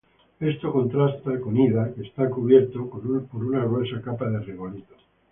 Esto contrasta con Ida que está cubierto por una gruesa capa de regolito.